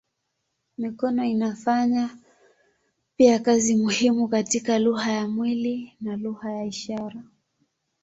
Mikono inafanya pia kazi muhimu katika lugha ya mwili na lugha ya ishara.